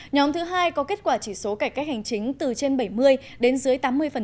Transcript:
nhóm thứ hai có kết quả chỉ số cải cách hành chính từ trên bảy mươi đến dưới tám mươi